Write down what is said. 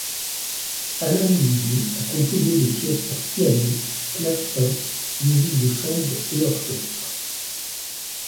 Alain Louvier a composé des pièces pour piano, clavecin, musique de chambre et orchestre.